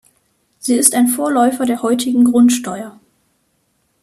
Sie ist ein Vorläufer der heutigen Grundsteuer.